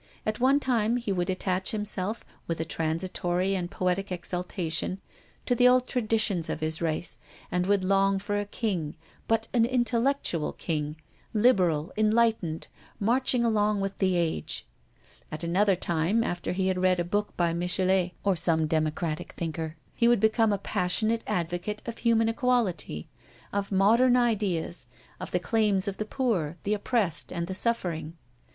At one time, he would attach himself, with a transitory and poetic exaltation, to the old traditions of his race, and would long for a king, but an intellectual king, liberal, enlightened, marching along with the age. At another time, after he had read a book by Michelet or some democratic thinker, he would become a passionate advocate of human equality, of modern ideas, of the claims of the poor, the oppressed, and the suffering.